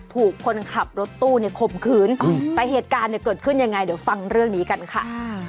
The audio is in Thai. ถูกคนขับรถตู้ในคมขืนแต่เหตุการณ์เกิดขึ้นอย่างไรเดี๋ยวฟังเรื่องนี้กันค่ะ